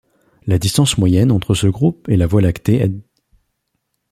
La distance moyenne entre ce groupe et la Voie lactée est d'.